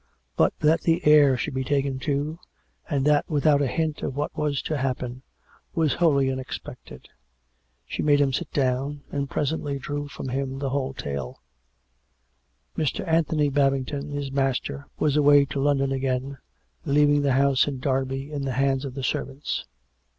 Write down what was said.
But that the heir should be taken, too, and that without a hint of what was to happen, was wholly unexpected. She made him sit down, and presently drew from him the whole tale. Mr. Anthony Babington, his master, was away to Lon don again, leaving the house in Derby in the hands of the servants.